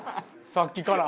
さっきから。